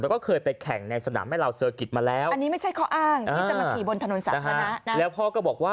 แล้วก็เคยไปแข่งในสนามแม่ราวเซอร์กิตมาแล้ว